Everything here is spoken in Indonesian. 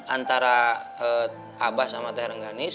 antara abah sama teh rengganis